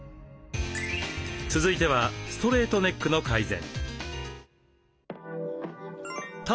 続いてはストレートネックの改善。